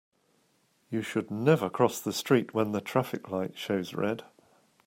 You should never cross the street when the traffic light shows red.